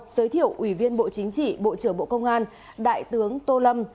giới thiệu ủy viên bộ chính trị bộ trưởng bộ công an đại tướng tô lâm